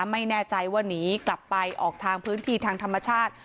ไม่แน่ใจว่าหนีกลับไปออกทางพื้นที่ทางธรรมชาติ